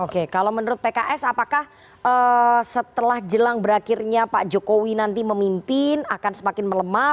oke kalau menurut pks apakah setelah jelang berakhirnya pak jokowi nanti memimpin akan semakin melemah